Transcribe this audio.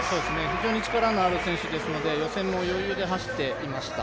非常に力のある選手ですので予選も余裕のある走りをしてました。